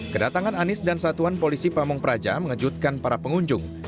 kedatangan anies dan satuan polisi pamung praja mengejutkan para pengunjung